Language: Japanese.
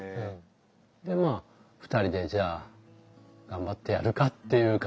でまあ２人でじゃあ頑張ってやるかっていう感じでうん。